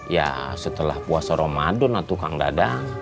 ya setelah puasa ramadan kang dadang